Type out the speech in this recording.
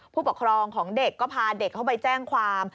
ผู้ปกครองของเด็กก็พาเด็กเข้าไปแจ้งความ